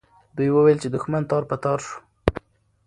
دوی وویل چې دښمن تار په تار سو.